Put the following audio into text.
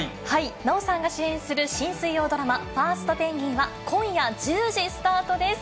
奈緒さんが主演する新水曜ドラマ、ファーストペンギン！は今夜１０時スタートです。